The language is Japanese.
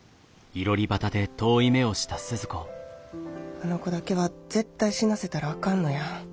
あの子だけは絶対死なせたらあかんのや。